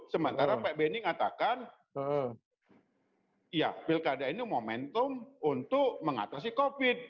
sementara pak benny mengatakan pilkada ini momentum untuk mengatasi covid